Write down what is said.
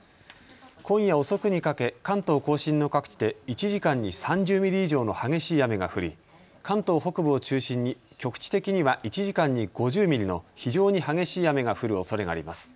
今夜遅くにかけ、関東甲信の各地で１時間に３０ミリ以上の激しい雨が降り関東北部を中心に局地的には１時間に５０ミリの非常に激しい雨が降るおそれがあります。